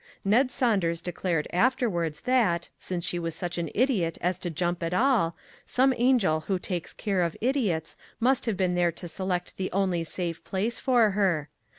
Ned Saunders declared afterwards that, since she was such an idiot as to jump at all, some angel who takes care of idiots must have been there to select the only safe place for her.